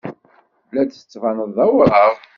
La d-tettbaneḍ d awraɣ.